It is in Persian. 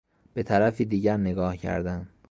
به طرفی دیگر نگاه کردن